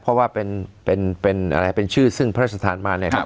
เพราะว่าเป็นชื่อซึ่งพระราชสถานมาเนี่ยครับ